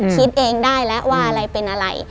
คิดเองได้แล้วว่าอะไรเป็นอะไร